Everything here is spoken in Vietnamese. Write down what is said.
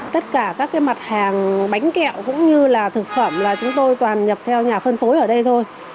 tất cả các cái mặt hàng bánh kẹo cũng như là thực phẩm là chúng tôi toàn nhập theo nhà phân phối ở đây thôi